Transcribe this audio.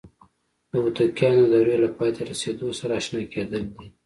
د هوتکیانو د دورې له پای ته رسیدو سره آشنا کېدل دي.